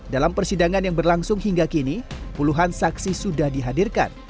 dalam persidangan yang berlangsung hingga kini puluhan saksi sudah dihadirkan